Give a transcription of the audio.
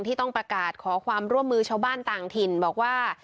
ที่ต้องประกาศขอความร่วมมือชาวบ้านต่างถิ่นบอกว่า